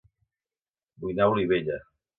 Vull anar a Olivella